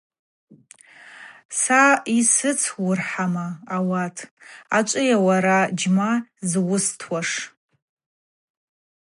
Са йсыцуырхӏама ауат, ачӏвыйа уара джьма зуыстуаш.